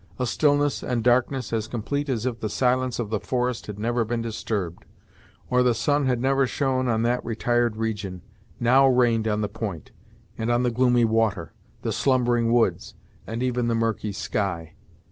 A stillness and darkness, as complete as if the silence of the forest had never been disturbed, or the sun had never shone on that retired region, now reigned on the point, and on the gloomy water, the slumbering woods, and even the murky sky.